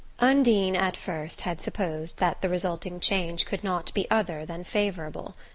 Undine, at first, had supposed that the resulting change could not be other than favourable.